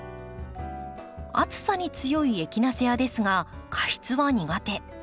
暑さに強いエキナセアですが過湿は苦手。